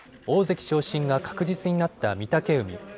大関昇進が確実になった御嶽海。